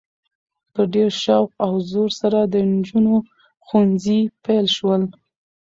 په ډیر شوق او زور سره د نجونو ښونځي پیل شول؛